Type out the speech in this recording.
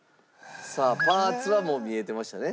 さあパーツはもう見えてましたね。